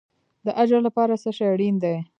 د اجر لپاره څه شی اړین دی؟